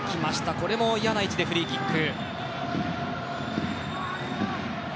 これも嫌な位置でフリーキック。